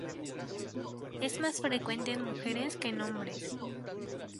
Es más frecuente en mujeres que en hombres.